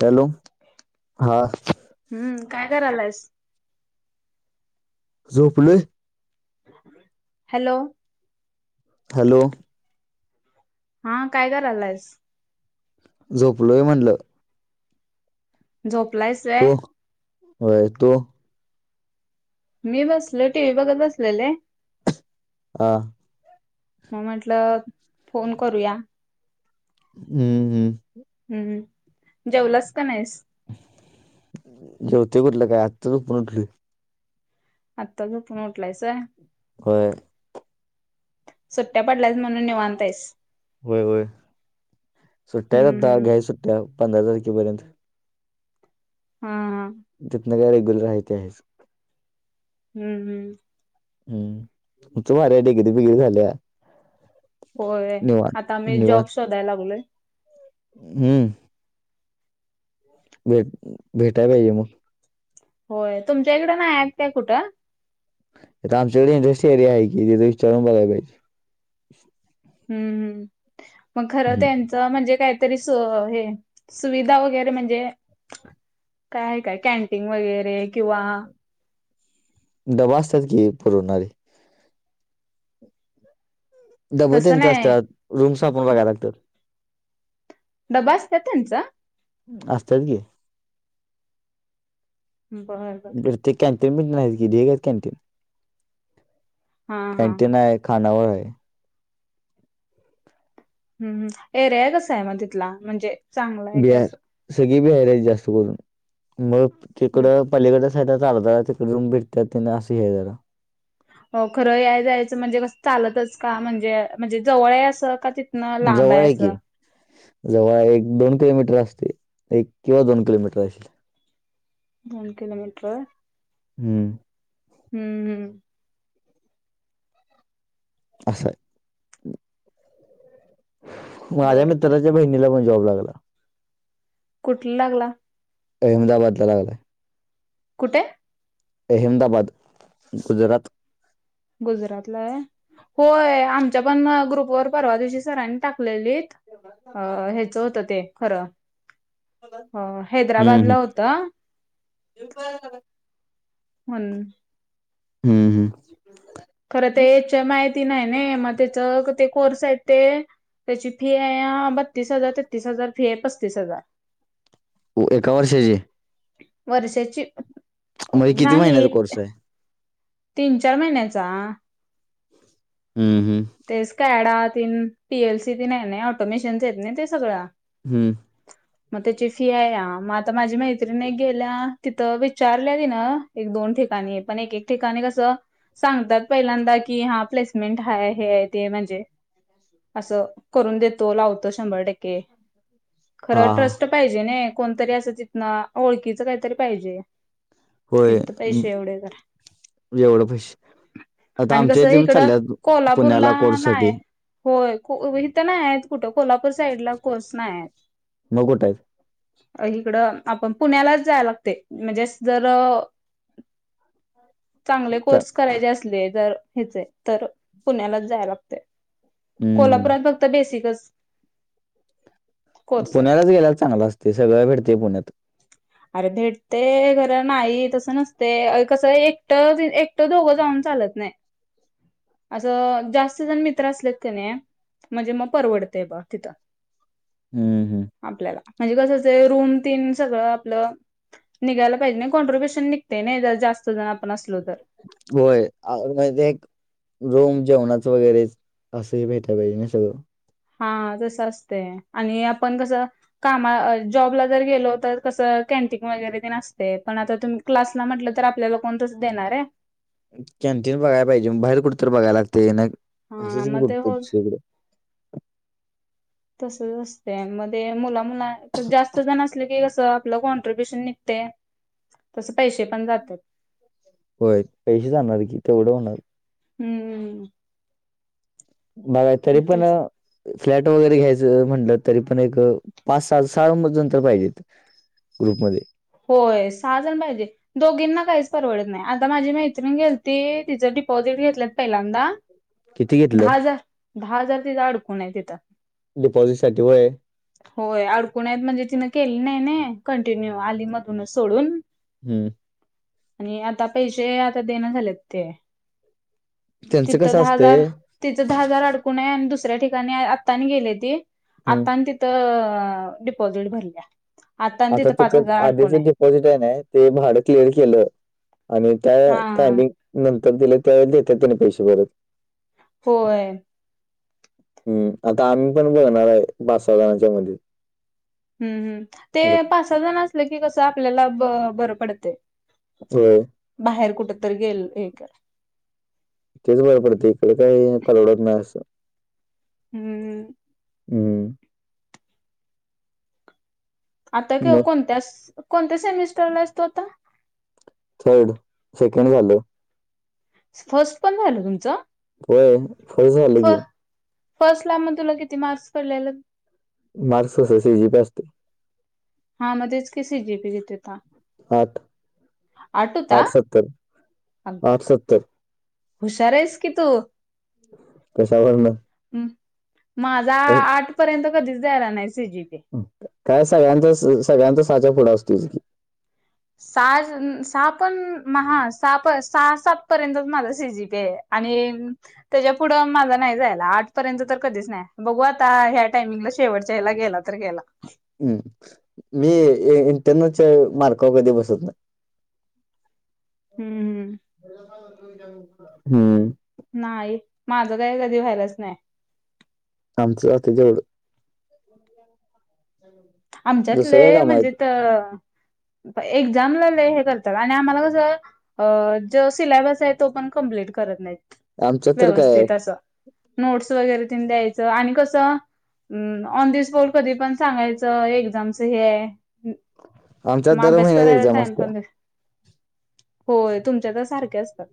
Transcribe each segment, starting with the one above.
Hello हा हम्म काय करायलायस झोपणे हॅलो हॅलो हा काय करलायस झोपलोय म्हटलं झोपलायस होय वोय तु मी बसलो टी व्ही बघत बसलेले हा मग म्हटलं फोन करूया हम्म हम्म हम्म जेवलास का नाहीस जेवते कठलं काय आत्ताच पण उठली आता झोपून उटलायस होय होय सुट्ट्या पडल्यास म्हणून निवांता येईस होय होय सुट्ट्याय आध हम्म हम्म घ्या सुट्ट्या पंधरा तारखेपर्यंत हा जितन काय रेगुलर आहे ते आहे च हम्म हम्म हम्म, तुमचं बरंय डिगिरी बिगेरी झाल्या. होय निवांत आता आम्ही निवांत जॉब शोधायला लागलोय हम्म भेट भेटायला ये मग? होय तुमच्या इकड नाही काय कुठं? आमच्याकडे इंडस्ट्रीएरिया आहे कि तिथं विचारून बगयला पाहिजे हम्म हम् मग खरं हो हम्म तरच म्हणजे काहीतरी सुविधा वगैरे म्हणजे काय आहे काय कॅन्टीन वगैरे किंवा डबा असतात की पुरवणारी डब तसं त्याचा नाही असतात रूम्स आपण बघायला लागतात डबा असतात त्यांचा असत्यात कि. बरं बरं ते कॅन्टीन पण नाही कि ढीग आहेत कॅन्टीन हा हा कॅन्टीन आहे. खानावळ आहे. हम् एरिया कस आहे मग तिथला, म्हणजे चांगला आहे काय बिहार असं सगळी बिहार आहेत जास्त करून मग बे तिकडं पलीकडडेच आहे शेतात तिकडे त्यांनी भेटतात ति असं हे जरा हो खरं या जायचं म्हणजे कसं चालतच का म्हणजे म्हणजे जवळ आहे असं. का तिथनं लांब जवळ आहे की असं जवळ एक दोन किलोमीटर असते एक किंवा दोन किलोमीटर असल दोन किलोमीटर. हम्म हम्म हम्म असं माझ्या बर बर मित्राच्या बहिणीला पण जॉब लागला. कुठला लागला? अहमदाबाद लागलाय. कुठे? अहमदाबाद गुजरात. गुजरातलाय होय, होय आमच्या पण ग्रुपवरर परवा दिवशी सरांनी टाकलेली अ ह्याच होत ते खरं अ, हम्म हैदराबादला हम्म होतं हम हम् हम् खरं तर याच्या माहिती नाही ना मग त्याच ते कोर्स आहेत ते त्याची फी आहे बत्तीस हजार, तेत्तीस हजार फी आहे पस्तीस हजार. एका वर्षाची? वर्षाची म्हणजे किती नाही महिन्याचा कोर्स आहे तीन चार महिन्याचा हम् हम् तेच कॅडा तीन पीएलसी तीन आहे ना ऑटोमेशन्स आहेत ना ते सगळं हम्म मग त्याची फी आहे या मग आता माझी मैत्री नाही गेल्या तिथं विचारल्या त ना एक दोन ठिकाणी पण एक एक ठिकाणी कसं सांगतात पहिल्यांदा की हा प्लेसमेंट हाय हे आहे ते म्हणजे असं करून देतो लावतो शंभर टक्के खरं हा हा ट्रस्ट पाहिजे न कोणतरी असं तिथन ओळखीच काहीतरी पाहिजे कि होय तिथं पैसे एवढे करा. जेवढं प आता आणि आमच्या कसं इथे इकडं चालल्यात पुण्याला कोल्हापूरला कोड नाही साठी होय इथं नाही आहेत कुठं कोल्हापूर साईडला कोर्स नाही आहेत मगकोटयत इकडं आपण पुण्यालाच जाय लागते म्हणजे जर चांगले चा- कोर्स करायचे असले जर ह्याचे तर पुण्यालाच जाय लागते हम्म हम्म. कोल्हापुरात फक्त बेसिकच कोर्स आहेत पुण्यालाच गेयला चांगलं असते सगळं भेटते पुण्यात अरे भेटते घर नाही तसं नसते कसं एकट एकट दोघं जाऊन चालत नाही [inaudible] असं जास्त जण मित्र असले त्याने म्हणजे मग परवडतेय बघ तिथं [inaudible] हम्म हम् आपल्याला म्हणजे कसंच रूम तीन सगळं आपलं निघायला पाहिजे नाही कॉन्ट्र्रीब्युशन निघते नाही जर जास्त जण आपण असलो तर होय म्ह एक रोम जेवणाच वगैरे असंही भेटय पाहिजे ना सगळं हा तसं असतेय आणि आपण कसं कामा जॉबला जर गेलो तर कसं कॅनटीन वगैरे ते नसते पण आता तुम क्लासला म्हटलं तर आपल्याला कोणतच देणार आहे कॅन्टीन बघाला पाहिजे बाहेर कुठं तररी बघाय लागते ना हा असंच की मग ते कुठतं हो दुसरीकडे तसच असते मध्ये मुला मुला जास्त जण असले की आपलं कॉन्ट्र्रीब्युशन निघते तस पैसे पण जातात हो पैसे सांी इ एवं होणार हम्मम बघा तरी पण तेच फ्लॅट वगैरे घ्यायचं म्हटलं तरी पण एक पाच सहा साल म नंतर पाहिजेत ग्रुपमध्ये होय सहाजण पाहिजे दोघींना काहीच परवडत नाही आता माझी मैत्रिण घेलती तिचं डिपॉझिट घेतलंत पहिल्यांदा किती घेतलं दहा हजार दहा हजार तिथ अडकून आहे तिथं डिपॉझिट साठी व होय अडकून आहेत म्हणजे तिनं केली नाही ना कंटिन्यू आली मधूनच सोडून हम्म आणि आता पैसे आता देणं झालेत ते त्यांचं तिथं कसं दहा हजार असतंय तिचं दहा हजार अडकून आहे आणि दुसऱ्या ठिकाणी आतानी गेले ती हं. आता आणि त डिपोसिझ्ट भरल्या तिथ पाच हजार अडकून आहे झिट आहे ते भाड क्लिअर केलं आणि हा त्या हा टिंग नंतर दिले त्यावे देतात त्यानी पैसे भरत होय हम्म आता आम्ही पण बघणार आहे पाच सहा जणांच्या मध्ये हम्म हम् ते असं पाच सहाजण असलं की कसं आपल्याला बरं पडते. हो बाहेर कुठ तरी गेल एक तेच बर पडते इकडे काही परलवडत नाही असं हम्म हम्म आता मग कोणत्या कोणत्या सेमिस्टरला असतो आता.. थर्ड सेकंड झालं... फर्स्ट पण झालं तुमचं.... होय वय फ झाला... फर्स्ट ला मग तुला किती मार्क्स पडलेला... मार्क्स कस सी जी पी असते... हा मध्येच की सी जी पी घेते होता... आठ... आठ होता हुशार आहेस की तू... पैसावर ना... ह् माझा आठ पर्यंत कधीच द्यायला नाही सी जी पी... काय सगळ्यांच सगळ्यांचा साचा फुडा असतो की.... सहा सहा पण म सहा पण सहा सात पर्यंत माझा सी जी पी आहे..... आणि... त्याच्या पुढं माझा नाही जायला आठ पर्यंत तर कधीच नाही बघू आता ह्या टायमिंगला शेवटच्या ह्याला गेला... तर गेला.... हम्म मी इंटरनेटच्या मार्कावर कधी बसत नाही.... हम् हम.... हम्म.. नाही माझं काही कधी व्हायरस नाही.... आमचं आ ते जवढं.... हो.... आमच्यातले म्हणजे त... एक्समला लेय हे करता आणि आम्हाला कसं... अ जो सिलाबस आहे तो पण कमप्लीट करत नाही आमच्यात तर काय आहे. व्यवस्थित अस... नोट्स वगैरे तेन द्यायचं आणि कसं ऑन द स्पॉट कधी पण सांगायचं एक्झामच हे आमच्यात मग दर अभ्यास महिन्यात करायला एक्झाम टाईम असत्या. पण... होय तुमच्या तर सारखे असतात....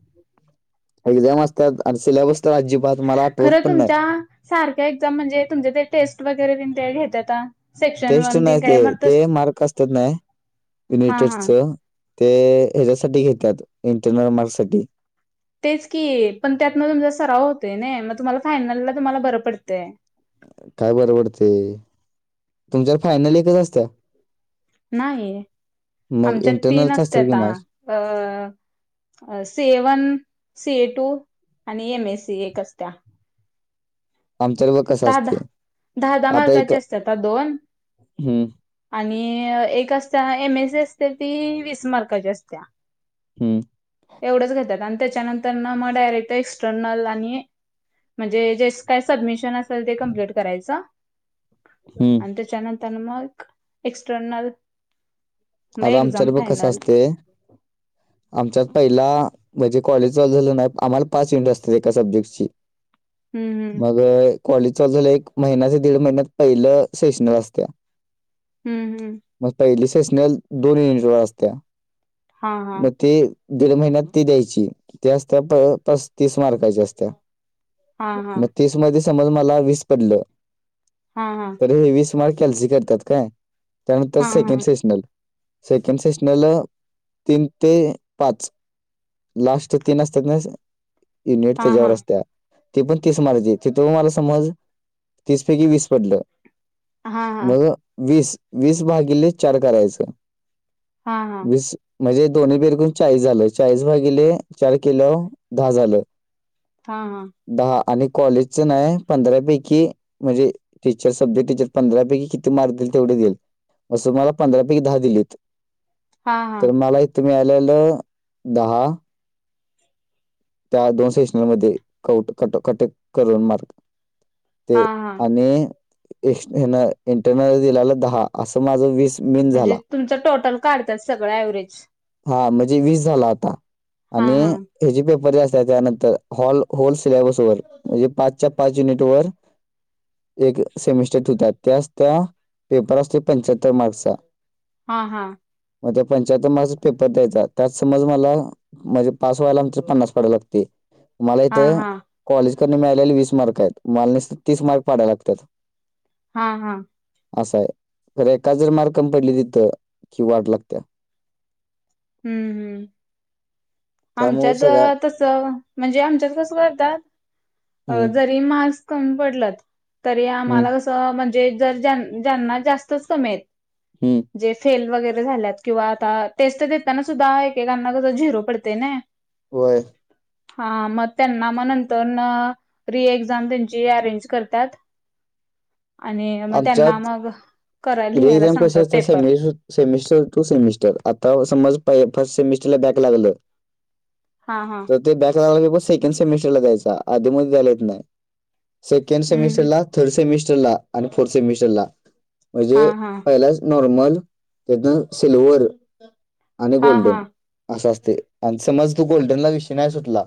एक्झाम असतात आणि सिलेबस तर अजिबात... मला आठवत खरं पण नाही. तुमच्या सारख्या एक्झाम म्हणजे तुमचे ते टेस्ट वगैरे घेतात... टेस्ट नाही ते ते मार्क असतात ना युनिट हा हा टेस्टच.... ते ह्याच्यासाठी घेतात इंटरनल मार्कससाठी.... तेच की पण त्यातन तुमचा सराव होतय ना मग तुम्हाला फायनलला तुम्हाला बरं पडतंय... काय बर पडतय तुमच्यात फायनल एकच असत्या... नाही मग आमच्यात तीन इंटरनलच असत असतात की आ मार्क्स. अ... अ से वन सी ए टू आणि एम एस सी एक असत्या. आमच्या बघ.... कसं दहा दहा असते. दहा दहा आता एक मार्काचे असत्याता आ दोन... हं, आणि एक असताना एम एस ए असते ती वीस मार्काची असते या... हम्म... एवढंच घेतात आणि त्याच्यानंतर ना मग डायरेक्ट एक्स्टर्नल आणि... म्हणजे ज का सबमिशन असे ते कम्प्लीट करायच... हम्म... तन म एक्स्टर्नल... आता आमच्याला बघ कसं असते आमच्यात पहिला.... म्हणजे कॉलेज चाल झालं नाही आम्हाला पाच युनिट असतात एका सब्जेक्टची... हम् हम.... मग कॉलेज चाल झालं एक महिनायाचे दीड महिन्यात पहिलं सेशन असत्या... हम्म हम्म... मग पहिली सेशनल दोन युनिट वर असत्या हां हां मग ते... दीड महिन्यात ती द्यायची, ती असत्या, प... पस्तीस मार्काची असत्या हां हां मग तीस मध्ये, समज मला वीस पडलं हा हा हे वीस मार्क कॅल्सी करत्यात काय, त्यानंतर हां सेकंड हां सेशनल सेकंड सेशनल, तीन ते पाच लास्ट तीन असतात ना... युनिट हां त्याच्यावर हां असत्या ते पण तीस मार्ज ए. तिथं मग मला समज, तीस पैकी वीस पडलं हां हां मग वीस... वीस भागिले चार करायचं... हां हां वीस म्हणजे दोन्ही [unintelligible] चाळीस झालं, चाळीस भागिले, चार किलो, दहा झालं हा हा दहा आणि कॉलेजचं नाय... पंधरापैकी म्हणजे, टीचर सब्जेक्टीचे पंधरा पैकी किती मार्क देईल तेवढे देईल. असं मला पंधरा पैकी दहा दिलीत... तर हां मला इथं मिळालेलं दहा त्या दोन सेशनमध्ये... कऊट, कट, कटं करून मार्क ते.. हां आणि इस... हीनं... इंटरनलने दिलेलं दहा असं माझं वीस मीन म्हणजे झाला तुमचं टोटल काढत्यात... सगळं एव्हरेज हा... म्हणजे वीस झालं आता, हां आणि हां हे जे, पेपर जे असत्यात, त्यानंतर, हॉल... होल सिलेबस वर म्हणजे पाचच्या पाच युनिट वर [unintelligible] एक सेमिस्टर ठिवतात... त्या असत्या... पेपर असतो पंच्याहत्तर मार्कचा हा हा मग त्या [unintelligible] पेपर द्यायचा, त्या समज मला, म्हणजे पास व्हायला आमचं पन्नास पडायला लागतंय मला हां इथं, हां कॉलेजकडनं मिळालेले वीस मार्क हायेत मला फक्त तीस मार्क पाडायला लागत्यात हा हा असं ए... तर एकाद जर मार्क कमी पडली तिथं, की वाट लागतीया हम्म... हम्म त्यामुळं सगळ्या आमच्यात तसं म्हणजे... आमच्यात कसं करतात, हम्म जरी मार्क्स कमी पडलत तरी... हम्म आम्हाला कसं, म्हणजे जर... ज्यां... ज्यांना जास्तच कमीेएत हुं. जे फेल वगैरे झाल्यात, किंवा आता टेस्ट देत त्यांना सुद्धा, एकेकांना कसं, झिरो पडतंय नं होय. हा, मग त्यांना मग नंतरनं रिएक्झाम त्यांची अरेंज करतात आणि मग त्यांना मग करा लिहायला रिएक्झाम कशी सांगतात असत्या... पेपर [unintelligible] सेमिस्टर टू सेमिस्टर, आता समज, फर्स्ट सेमिस्टरला बॅक लागलं हा हा तर ते बॅकला लागला की मग सेकंड सेमेस्टरला द्यायचा. आधी मधी द्यायला येत नाय... सेकंड हम्म सेमिस्टरला थर्ड सेमिस्टरला आणि फोर्थ सेमिस्टरला हा म्हणजे हा पहिलाच नॉर्मल... त्यातून सिल्वर आणि हा गोल्डन, हा असं असतंय. आणि समज तू गोल्डनला विषय नाई सुटला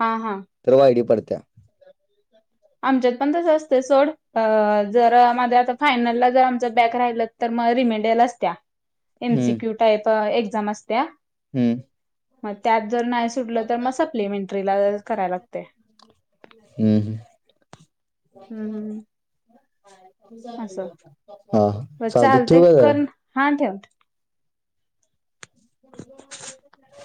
हा हा. तर वाय डी पडत्या. आमच्यात पण तसं असतं... सोड, अ... जर माझं आता फायनलला जर आमचं बॅक राहिलं तर मग [unintelligible] असत्या, हम्म एमसीक्यू टाईप एक्झाम असत्या हुं मग त्यात जर नाही सुटलं, तर मग सप्लिमेंट्रीला... करायला लागतंय हम्म! हम्!. हम् हम. हा चालते ठेव का तर? हां ठेवा. रिकामा ऑडिओ